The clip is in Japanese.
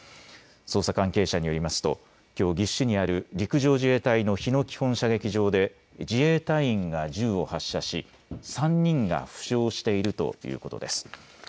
捜査関係者によりますときょう岐阜市にある陸上自衛隊の日野基本射撃場で自衛隊員が銃を発射し３人が負傷しているということです。